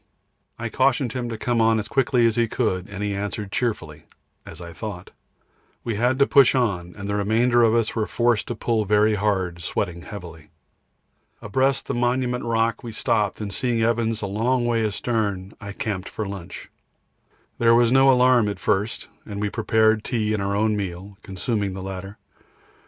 I cautioned him to come on as quickly as he could, and he answered cheerfully as I thought. We had to push on, and the remainder of us were forced to pull very hard, sweating heavily. Abreast the Monument Rock we stopped, and seeing Evans a long way astern, I camped for lunch. There was no alarm at first, and we prepared tea and our own meal, consuming the latter.